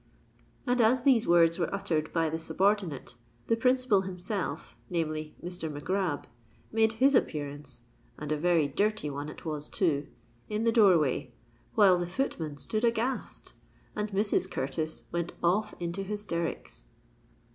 And as these words were uttered by the subordinate, the principal himself—namely, Mr. Mac Grab—made his appearance (and a very dirty one it was too) in the door way; while the footman stood aghast, and Mrs. Curtis went off into hysterics.